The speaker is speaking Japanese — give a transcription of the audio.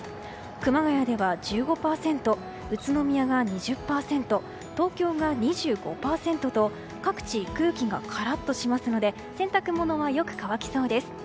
熊谷では１５％、宇都宮が２０％東京が２５％と各地、空気がカラッとしますので洗濯物がよく乾きそうです。